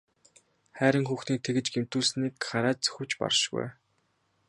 Хайран хүүхнийг тэгж гэмтүүлснийг харааж зүхэвч баршгүй.